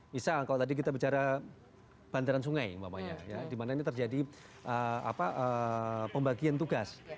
misal kalau tadi kita bicara bantaran sungai umpamanya di mana ini terjadi pembagian tugas